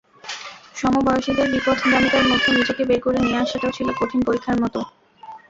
সমবয়সীদের বিপথগামিতার মধ্যে নিজেকে বের করে নিয়ে আসাটাও ছিল কঠিন পরীক্ষার মতো।